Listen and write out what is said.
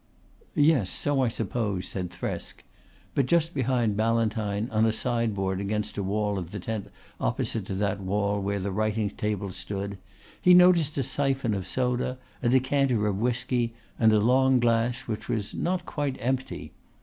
"Yes, so I suppose," said Thresk. But just behind Ballantyne, on a sideboard against the wall of the tent opposite to that wall where the writing table stood, he noticed a syphon of soda, a decanter of whisky and a long glass which was not quite empty.